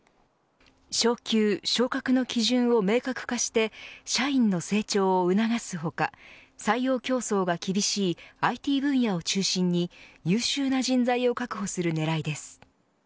昇給、昇格の基準を明確化して社員の成長を促す他採用競争が厳しいＩＴ分野を中心に優秀な人材を確保する狙いです。